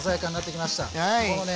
このね